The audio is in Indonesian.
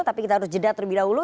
tapi kita harus jeda terlebih dahulu